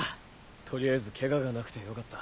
取りあえずケガがなくてよかった。